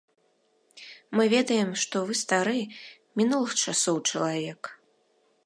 Мы ведаем, што вы стары, мінулых часоў чалавек.